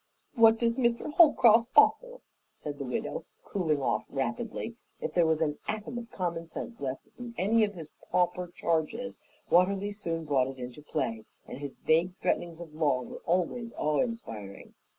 "What does Mr. Holcroft offer?" said the widow, cooling off rapidly. If there was an atom of common sense left in any of his pauper charges, Watterly soon brought it into play, and his vague threatenings of law were always awe inspiring.